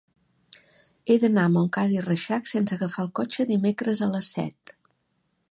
He d'anar a Montcada i Reixac sense agafar el cotxe dimecres a les set.